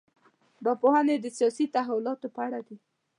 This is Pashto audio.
دا پوهنې سیاسي تحولاتو په اړه دي.